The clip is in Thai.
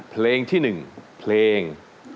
เพลงที่๑เพลง